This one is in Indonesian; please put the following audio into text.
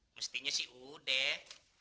mestinya sih udah